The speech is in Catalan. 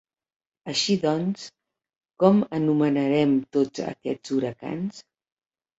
Així doncs, con anomenarem tots aquests huracans?